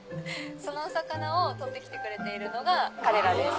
そのお魚を取って来てくれているのが彼らです。